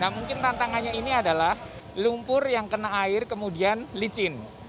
mungkin tantangannya ini adalah lumpur yang kena air kemudian licin